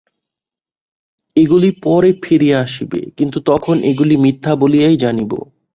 এগুলি পরে ফিরিয়া আসিবে, কিন্তু তখন এগুলি মিথ্যা বলিয়াই জানিব।